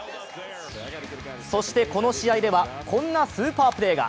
そしてこの試合ではこんなスーパープレーが。